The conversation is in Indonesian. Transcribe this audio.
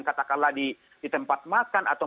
katakanlah di tempat makan atau